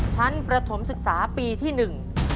ชั้นประถมศึกษาปีที่หนึ่ง